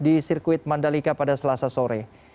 di sirkuit mandalika pada selasa sore